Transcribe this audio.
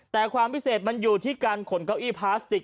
แต่ความพิเศษมันอยู่ที่การขนเก้าอี้พลาสติก